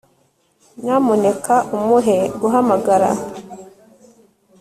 nyamuneka umuhe guhamagara